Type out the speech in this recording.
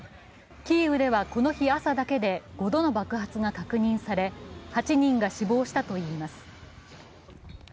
キーウでは、この日、朝だけで５度の爆発が確認され、８人が死亡したといいます。